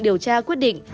điều tra quyết định